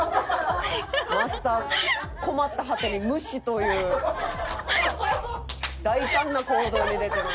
マスター困った果てに無視という大胆な行動に出ております。